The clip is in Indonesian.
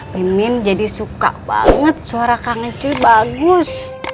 mimin jadi suka banget suara kang uncuy bagus